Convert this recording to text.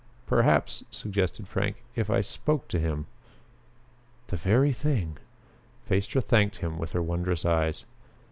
"Perhaps," suggested Frank, "if I spoke to him...." "The very thing." Phaestra thanked him with her wondrous eyes.